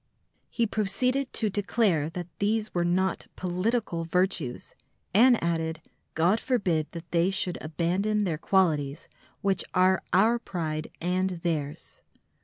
He proceeded to declare that these were not "political virtues," and added, "God forbid that they should abandon their qualities, which are our pride and theirs!"